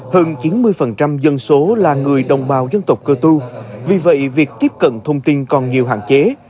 hơn chín mươi dân số là người đồng bào dân tộc cơ tu vì vậy việc tiếp cận thông tin còn nhiều hạn chế